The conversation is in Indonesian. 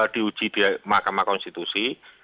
diuji di makam konstitusi